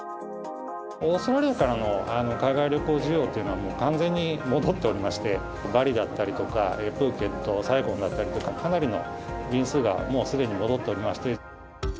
オーストラリアからの海外旅行需要というのは、もう完全に戻っておりまして、バリだったりとか、プーケット、サイゴンだったりとか、かなりの便数がもうすでに戻っておりまして。